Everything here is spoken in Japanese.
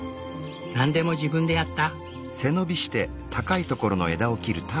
何でも自分でやった。